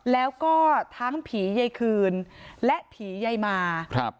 แล้วก็ทั้งผีใยคืนและผีใยมาครับ